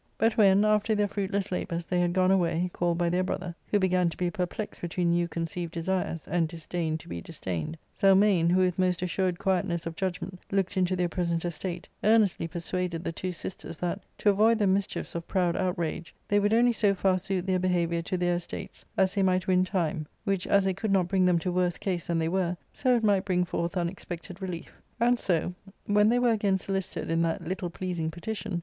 But when, after their fruitless labours, they had gone away, called by their brother, who began to be perplexed between new conceived desires, and disdain to be disdained, Zelmane, who with most assured quietness of judgment looked into their present estate, earnestly persuaded the two sisters that, to avoid the mischiefs of proud outrage, they would only so far suit their behaviour to their estates as they might win time, which as it could not bring them to worse case than they were, so it might bring forth unexpected relief. And so, when they were again solicited in that little pleasing petition